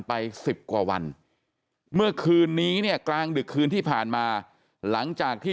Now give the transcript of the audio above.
ไปสิบกว่าวันเมื่อคืนนี้เนี่ยกลางดึกคืนที่ผ่านมาหลังจากที่